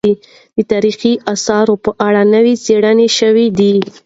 د تاريخي اثارو په اړه نوې څېړنې شوې دي.